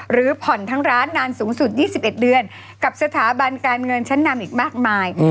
หรือผ่อนทั้งร้านนานสูงสุด๒๑เดือนกับสถาบันการเงินชั้นนำอีกมากมาย